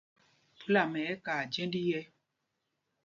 Phúlama ɛ́ ɛ́ kaa jênd yɛ́.